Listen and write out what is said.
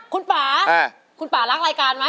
คุณป่าคุณป่ารักรายการไหม